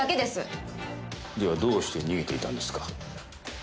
ではどうして逃げていたんですか？